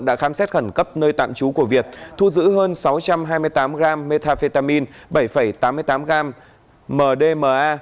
đã khám xét khẩn cấp nơi tạm trú của việt thu giữ hơn sáu trăm hai mươi tám gram metafetamin bảy tám mươi tám gram mdma